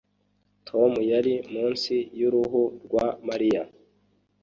tom yari munsi y'uruhu rwa mariya